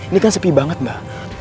ini kan sepi banget mbak